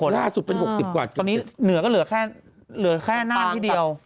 ล่าสุดประมาณ๖๐กว่าตอนนี้เหนือก็เหลือแค่น่านที่เดียว